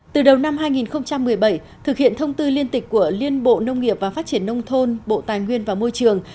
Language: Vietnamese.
từ đầu năm hai nghìn một mươi bảy thực hiện thông tư liên tịch của liên bộ nông nghiệp và phát triển nông thôn bộ tài nguyên và môi trường